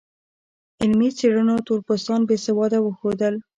علمي څېړنو تور پوستان بې سواده وښودل.